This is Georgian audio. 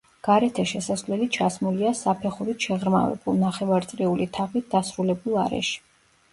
გარეთა შესასვლელი ჩასმულია საფეხურით შეღრმავებულ, ნახევარწრიული თაღით დასრულებულ არეში.